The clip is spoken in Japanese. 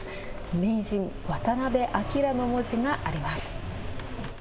名人渡辺明の文字があります。